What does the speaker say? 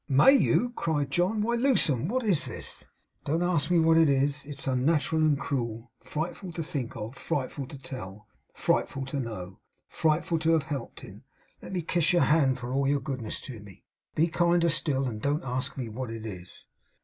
'May you!' cried John. 'Why, Lewsome, what is this!' 'Don't ask me what it is. It's unnatural and cruel. Frightful to think of. Frightful to tell. Frightful to know. Frightful to have helped in. Let me kiss your hand for all your goodness to me. Be kinder still, and don't ask me what it is!